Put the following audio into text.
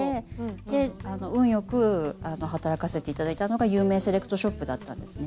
で運よく働かせて頂いたのが有名セレクトショップだったんですね。